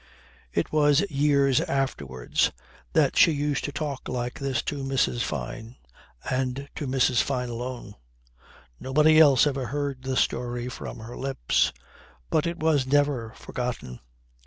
It was years afterwards that she used to talk like this to Mrs. Fyne and to Mrs. Fyne alone. Nobody else ever heard the story from her lips. But it was never forgotten.